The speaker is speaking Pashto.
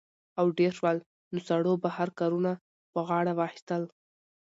او ډېر شول؛ نو سړو بهر کارونه په غاړه واخىستل